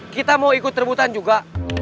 kita mau ikut rebutan juga